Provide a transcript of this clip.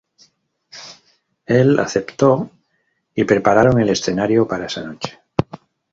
Él aceptó y prepararon el escenario para esa noche.